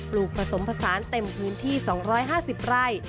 ลูกผสมผสานเต็มพื้นที่๒๕๐ไร่